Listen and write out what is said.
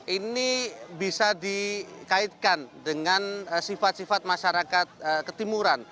ini bisa dikaitkan dengan sifat sifat masyarakat ketimuran